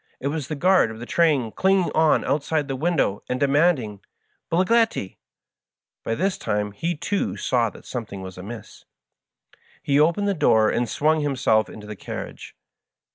It was the guard of the train clinging on outside the window and demanding "Bigliettil" By this time he, too, saw that something was amiss. He opened the door and swung himself into the carriage.